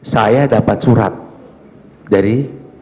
saya dapat surat dari